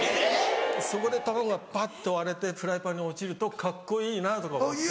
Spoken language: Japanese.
そこで卵がパッと割れてフライパンに落ちるとカッコいいなとか思って。